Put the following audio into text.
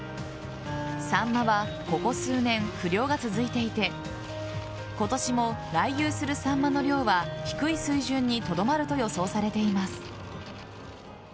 サンマはここ数年不漁が続いていて今年も来遊するサンマの量は低い水準にとどまると予想されています。